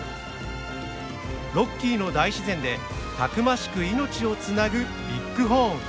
ロッキーの大自然でたくましく命をつなぐビッグホーン。